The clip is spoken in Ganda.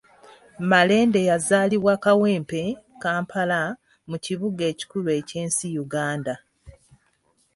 Malende yazaalibwa Kawempe, Kampala, mu kibuga ekikulu eky'ensi Uganda